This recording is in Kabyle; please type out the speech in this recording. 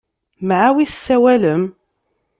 Mɛa wi tessawalem?